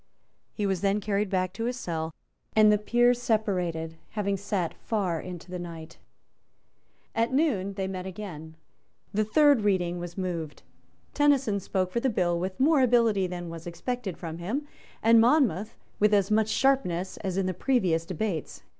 He was then carried back to his cell; and the Peers separated, having sate far into the night. At noon they met again. The third reading was moved. Tenison spoke for the bill with more ability than was expected from him, and Monmouth with as much sharpness as in the previous debates.